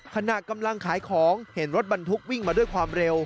ขณะกำลังขายของเห็นรถบรรทุกวิ่งมาด้วยความเร็ว